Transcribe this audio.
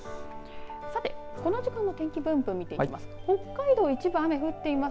さて、この時間の天気分布を見ていきます。